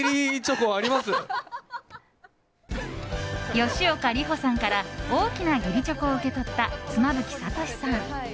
吉岡里帆さんから大きな義理チョコを受け取った妻夫木聡さん。